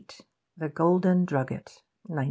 THE GOLDEN DRUGGET 1918.